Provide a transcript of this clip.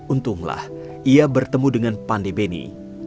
untunglah ia bertemu dengan pandey beni